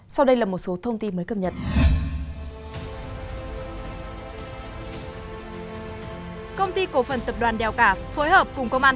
sau đây là một số thông tin mới cập nhật